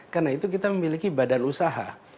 karena itu kita memiliki badan usaha